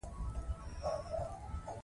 دا دستګاه مرسته کوي.